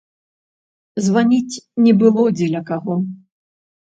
Званіць не было дзеля каго.